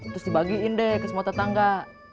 terus dibagiin deh ke semua tetangga